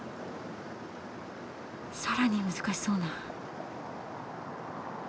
さらに難しそうな。